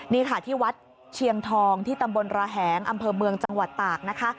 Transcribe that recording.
นี่ค่ะที่วัดเชียงทองที่ตำบลระแหงอำเภอเมืองจังหวัดตากนะคะ